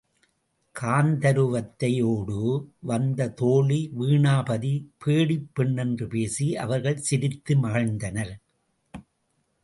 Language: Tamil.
காந்தருவத்தையோடு வந்த தோழி வீணாபதி பேடிப் பெண் என்று பேசி அவர்கள் சிரித்து மகிழ்ந்தனர்.